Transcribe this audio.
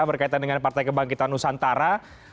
berkaitan dengan partai kebangkitan nusantara